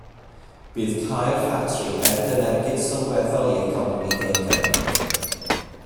Bydd cau'r ffatri hefyd yn ergyd sylweddol i economi de Cymru.